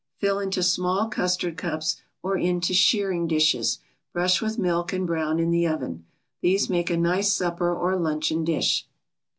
Fill into small custard cups or into shirring dishes, brush with milk and brown in the oven. These make a nice supper or luncheon dish.